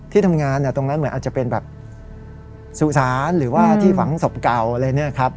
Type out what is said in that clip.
ที่ทำงานตรงนั้นเหมือนอาจจะเป็นแบบสุสานหรือว่าที่ฝังศพเก่าอะไรเนี่ยครับ